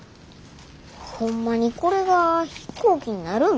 ホンマにこれが飛行機になるん？